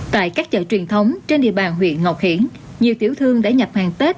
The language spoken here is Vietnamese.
tại các chợ truyền thống trên địa bàn huyện ngọc hiển nhiều tiểu thương đã nhập hàng tết